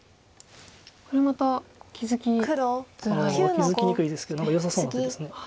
気付きにくいですけど何かよさそうな手です。